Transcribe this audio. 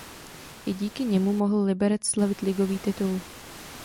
I díky němu mohl Liberec slavit ligový titul.